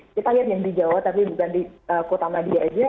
kita lihat yang di jawa tapi bukan di kota madia aja